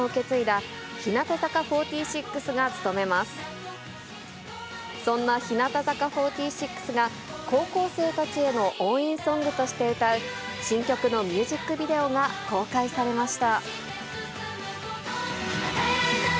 そんな日向坂４６が、高校生たちへの応援ソングとして歌う新曲のミュージックビデオが公開されました。